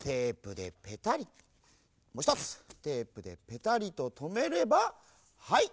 もうひとつテープでペタリととめればはい！